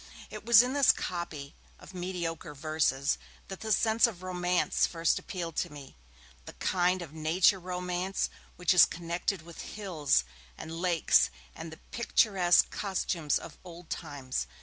It was in this copy of mediocre verses that the sense of romance first appealed to me, the kind of nature romance which is connected with hills, and lakes, and the picturesque costumes of old times.